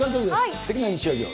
すてきな日曜日を。